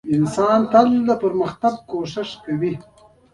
انسان تل د پرمختګ په هڅه کې دی.